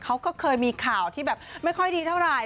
เขาก็เคยมีข่าวที่แบบไม่ค่อยดีเท่าไหร่